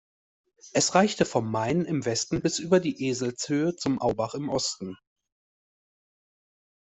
Es reichte vom Main im Westen bis über die Eselshöhe zum Aubach im Osten.